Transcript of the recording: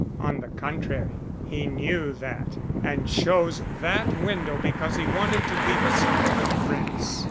"On the contrary, he knew that and chose that window because he wanted to leave us some footprints.